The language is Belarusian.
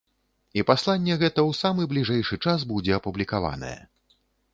І пасланне гэта ў самы бліжэйшы час будзе апублікаванае.